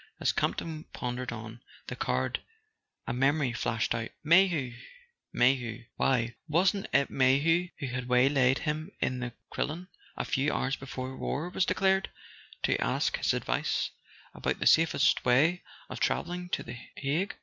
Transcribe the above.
As Campton pondered on the card a memory flashed out. Mayhew? Mayhew? Why, wasn't it Mayhew who had waylaid him in the Crillon a few hours before war was declared, to ask his advice about the safest way of travelling to the Hague?